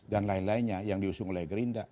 dan lain lainnya yang diusung oleh gerinda